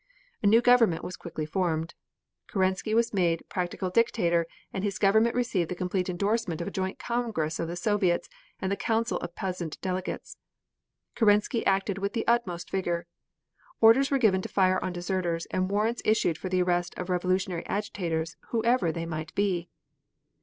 A new government was quickly formed. Kerensky was made practical Dictator, and his government received the complete endorsement of a joint Congress of the Soviets and the Council of peasant delegates. Kerensky acted with the utmost vigor. Orders were given to fire on deserters and warrants issued for the arrest of revolutionary agitators whoever they might be.